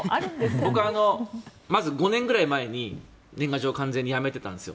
僕まず、５年くらい前に年賀状を完全にやめてたんですよ。